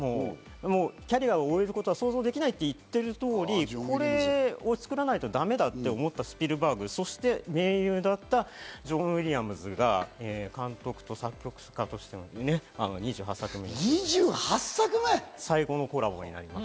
キャリアを終えることは想像できないと言っている通り、これを作らないとだめだと思ったスピルバーグ、そして、盟友だったジョン・ウィリアムズが監督と作曲家として２８作目、最後のコラボになります。